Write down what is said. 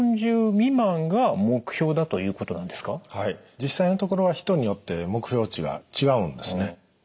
実際のところは人によって目標値が違うんですね。